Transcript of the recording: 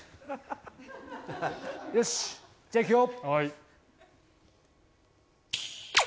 よし、じゃあ行くよ。